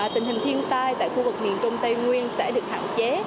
tình hình thiên tai tại khu vực miền trung tây nguyên sẽ được hạn chế